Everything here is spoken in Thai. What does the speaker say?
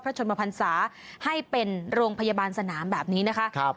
ชนมพันศาให้เป็นโรงพยาบาลสนามแบบนี้นะคะ